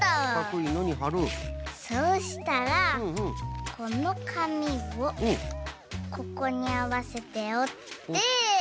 そうしたらこのかみをここにあわせておって。